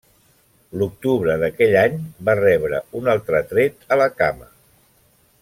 L'octubre d'aquell any, va rebre un altre tret a la cama.